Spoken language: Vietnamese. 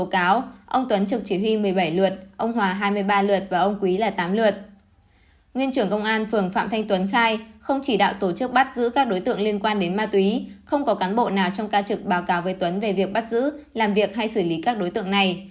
nguyên trưởng công an phường phạm thanh tuấn khai không chỉ đạo tổ chức bắt giữ các đối tượng liên quan đến ma túy không có cán bộ nào trong ca trực báo cáo với tuấn về việc bắt giữ làm việc hay xử lý các đối tượng này